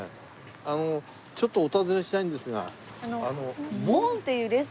ちょっとお尋ねしたいんですが。